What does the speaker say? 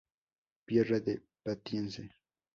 Pierre de patience".